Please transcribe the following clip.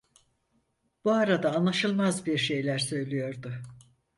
Bu arada anlaşılmaz bir şeyler söylüyordu.